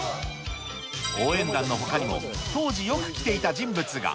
応援団のほかにも当時よく来ていた人物が。